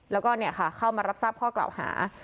แล้วก็เนี่ยค่ะเข้ามารับทราบข้อกล่าวหา